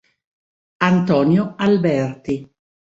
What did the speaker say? Antonio Alberti